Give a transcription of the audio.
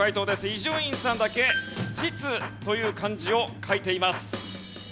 伊集院さんだけ「実」という漢字を書いています。